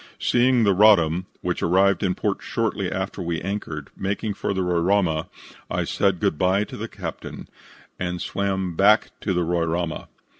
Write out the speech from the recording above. Seeing the Roddam, which arrived in port shortly after we anchored, making for the Roraima, I said good bye to the captain and swam back to the Roraima.